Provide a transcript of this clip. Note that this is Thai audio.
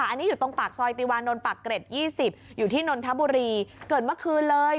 อันนี้อยู่ตรงปากซอยติวานนท์ปากเกร็ด๒๐อยู่ที่นนทบุรีเกิดเมื่อคืนเลย